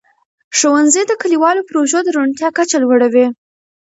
ښوونځي د کلیوالو پروژو د روڼتیا کچه لوړوي.